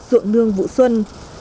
dụng ngương vụ xuân